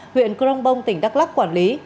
huyện crong vông tỉnh đắk lắk quản lý